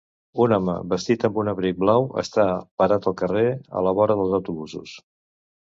Un home vestit amb un abric blau està parat al carrer a la vora dels autobusos.